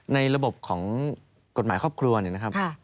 ในระบบของกฎหมายครอบครัวเนี่ยนะครับ